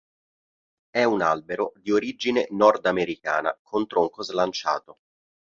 È un albero di origine nordamericana, con tronco slanciato.